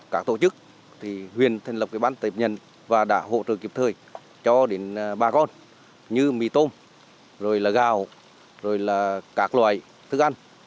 các tổ chức thì huyện thành lập cái bán tệp nhận và đã hỗ trợ kịp thời cho đến bà con như mì tôm rồi là gạo rồi là các loại thức ăn